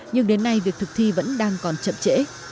nhưng đến nay việc thực thi vẫn đang còn chậm trễ